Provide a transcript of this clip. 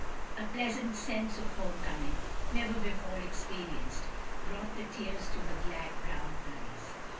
A pleasant sense of home coming, never before experienced, brought the tears to her glad brown eyes.